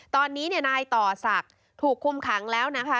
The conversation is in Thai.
ตอนนี้นายต่อศักดิ์ถูกคุมขังแล้วนะคะ